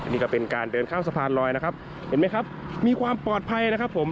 นี่ก็เป็นการเดินข้ามสะพานลอยนะครับเห็นไหมครับมีความปลอดภัยนะครับผม